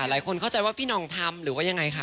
หลายคนเข้าใจว่าพี่หน่องทำหรือว่ายังไงคะ